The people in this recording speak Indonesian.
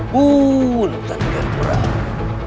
buntan ger prabu